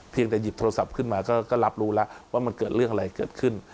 หยิบแต่หยิบโทรศัพท์ขึ้นมาก็รับรู้แล้วว่ามันเกิดเรื่องอะไรเกิดขึ้น